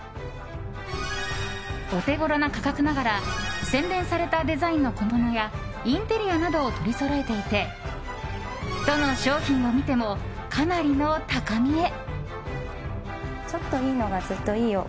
オテゴロな価格ながら洗練されたデザインの小物やインテリアなどを取りそろえていてどの商品を見てもかなりの高見え。